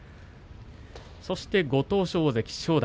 そして、ご当所大関正代。